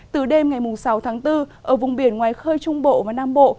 từ đêm ngày sáu tháng bốn ở vùng biển ngoài khơi trung bộ và nam bộ